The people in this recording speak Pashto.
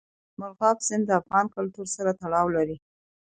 مورغاب سیند د افغان کلتور سره تړاو لري.